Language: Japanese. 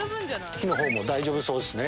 火の方大丈夫そうですね。